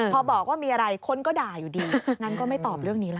พอบอกว่ามีอะไรคนก็ด่าอยู่ดีงั้นก็ไม่ตอบเรื่องนี้ล่ะ